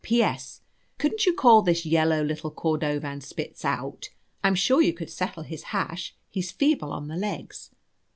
"P.S. Couldn't you call this yellow little Cordovanspitz out? I'm sure you could settle his hash. He's feeble on his legs.